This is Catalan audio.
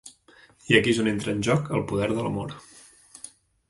I aquí és on entra en joc el poder de l'amor.